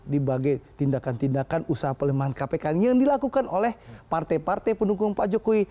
di bagai tindakan tindakan usaha pelemahan kpk yang dilakukan oleh partai partai pendukung pak jokowi